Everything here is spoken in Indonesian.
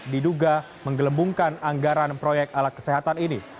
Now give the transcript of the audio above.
diduga menggelembungkan anggaran proyek alat kesehatan ini